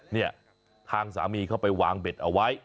เนี่ยทางสามีเขาไปวางเบ็ดเอาไว้